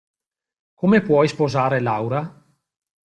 Come puoi sposare Laura?